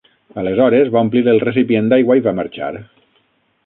Aleshores, va omplir el recipient d'aigua i va marxar.